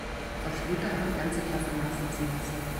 Frau Schlüter hat die ganze Klasse nachsitzen lassen.